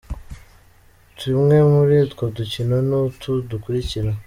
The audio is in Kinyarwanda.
Tumwe muri utwo dukino ni utu dukurikira:.